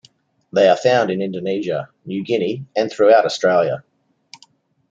They are found in Indonesia, New Guinea, and throughout Australia.